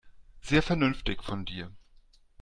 Sehr vernünftig von dir.